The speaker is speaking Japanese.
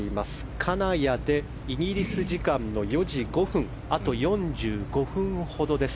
金谷でイギリス時間の４時５分あと４５分ほどです。